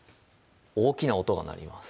大きな音が鳴ります